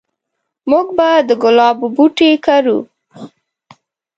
موږ به د ګلابو بوټي کرو